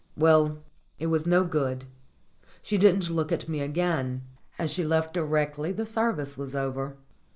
Well, it was no good. She didn't look at me again, and she left directly the service was over.